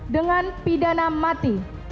dengan pidana mati